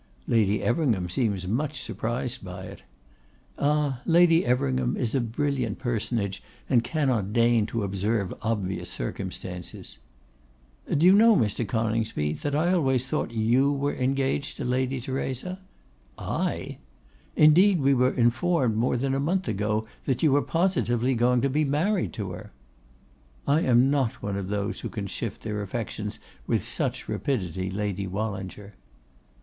'Lady Everingham seems much surprised at it.' 'Ah! Lady Everingham is a brilliant personage, and cannot deign to observe obvious circumstances.' 'Do you know, Mr. Coningsby, that I always thought you were engaged to Lady Theresa?' 'I!' 'Indeed, we were informed more than a month ago that you were positively going to be married to her.' 'I am not one of those who can shift their affections with such rapidity, Lady Wallinger.